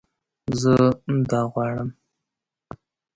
زه دا غواړم